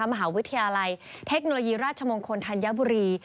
มหาวิทยาลัยเทคโนโลยีราชมงคลธัญบุรี